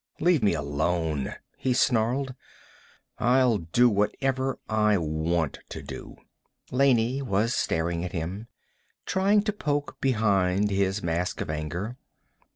_ "Leave me alone," he snarled. "I'll do whatever I want to do." Laney was staring at him, trying to poke behind his mask of anger.